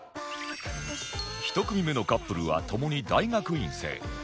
１組目のカップルは共に大学院生